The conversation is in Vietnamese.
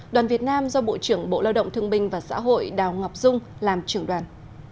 đoàn việt nam do bộ trưởng bộ lao động thương binh và xã hội đào ngọc dung làm trưởng đoàn